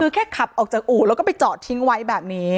คือแค่ขับออกจากอู่แล้วก็ไปจอดทิ้งไว้แบบนี้